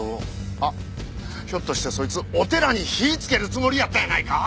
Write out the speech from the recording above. あっひょっとしてそいつお寺に火ぃつけるつもりやったんやないか？